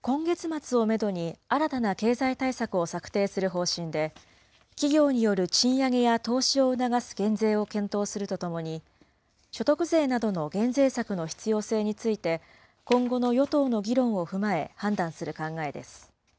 今月末をメドに、新たな経済対策を策定する方針で、企業による賃上げや投資を促す減税を検討するとともに、所得税などの減税策の必要性について、今後の与党の議論を踏まえ判断する考えです。